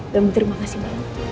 dan terima kasih banget